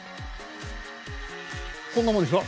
こんなもんですか？